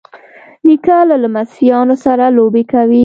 نیکه له لمسیانو سره لوبې کوي.